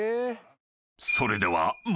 ［それでは］